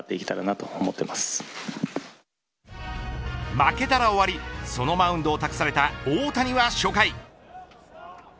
負けたら終わりそのマウンドを託された大谷は初回。